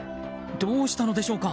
どうしたのでしょうか。